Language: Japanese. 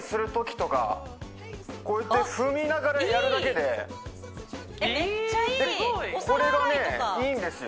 こうやって踏みながらやるだけでめっちゃいいお皿洗いとかこれがねいいんですよ